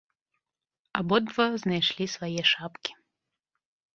Абодва знайшлі свае шапкі.